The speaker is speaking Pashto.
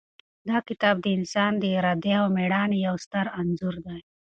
دا کتاب د انسان د ارادې او مېړانې یو ستر انځور دی.